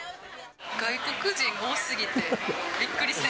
外国人多すぎてびっくりせん？